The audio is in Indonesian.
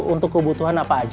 untuk kebutuhan apa aja